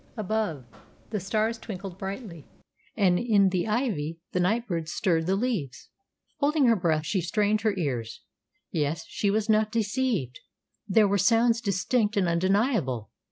Above, the stars twinkled brightly, and in the ivy the night birds stirred the leaves. Holding her breath, she strained her ears. Yes, she was not deceived! There were sounds distinct and undeniable.